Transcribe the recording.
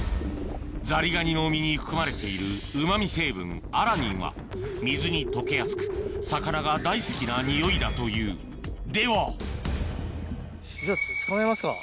ザリガニの身に含まれている旨味成分アラニンは水に溶けやすく魚が大好きな匂いだというではじゃあ捕まえますか。